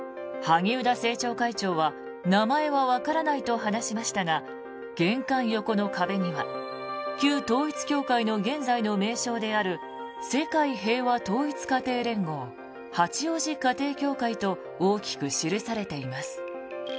萩生田政調会長は名前はわからないと話しましたが玄関横の壁には旧統一教会の現在の名称である世界平和統一家庭連合八王子家庭教会と大きく記されています。